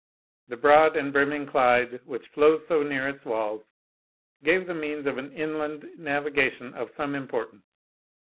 The broad and brimming Clyde, which flows so near its walls, gave the means of an inland navigation of some importance.